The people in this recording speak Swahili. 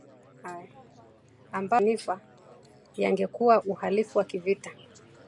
ambayo chini ya mikataba ya Jeniva yangekuwa uhalifu wa kivita